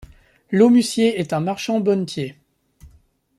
L'aumussier est un marchand bonnetier.